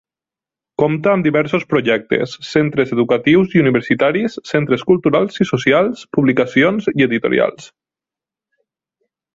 Compta amb diversos projectes, centres educatius i universitaris, centres culturals i socials, publicacions i editorials.